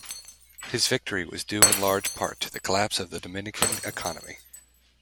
His victory was due in large part to the collapse of the Dominican economy.